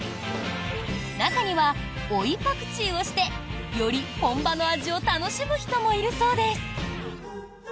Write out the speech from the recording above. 中には、追いパクチーをしてより本場の味を楽しむ人もいるそうです。